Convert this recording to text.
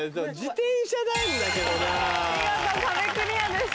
見事壁クリアです。